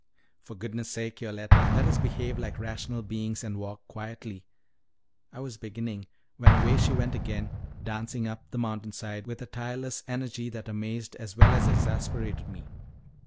"For goodness sake, Yoletta, let us behave like rational beings and walk quietly," I was beginning, when away she went again, dancing up the mountain side with a tireless energy that amazed as well as exasperated me.